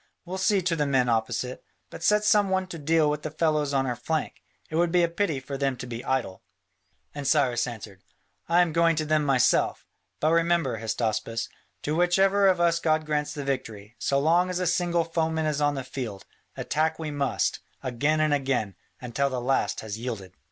We'll see to the men opposite. But set some one to deal with the fellows on our flank: it would be a pity for them to be idle." And Cyrus answered, "I am going to them myself. But remember, Hystaspas, to which ever of us God grants the victory, so long as a single foeman is on the field, attack we must, again and again, until the last has yielded."